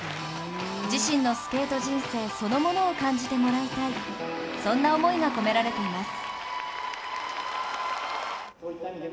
自身のスケート人生そのものを感じてもらいたい、そんな思いが込められています。